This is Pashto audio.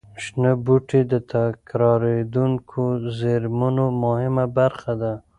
شنه بوټي د تکرارېدونکو زېرمونو مهمه برخه ده.